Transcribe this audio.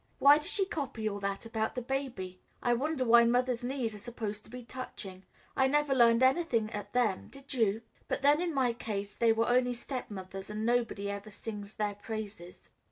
Why does she copy all that about the baby? I wonder why mothers' knees are supposed to be touching? I never learned anything at them, did you? But then in my case they were only stepmother's, and nobody ever sings their praises."